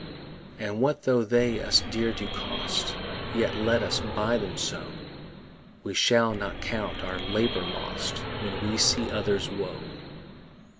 And what tho' they us dear do cost, Yet let us buy them so; We shall not count our labour lost When we see others' woe.